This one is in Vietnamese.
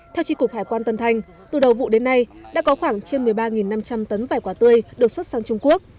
theo tri cục hải quan tân thanh từ đầu vụ đến nay đã có khoảng trên một mươi ba năm trăm linh tấn vẻ quả tươi được xuất sang trung quốc